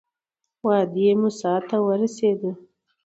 وادي موسی ته ورسېدو.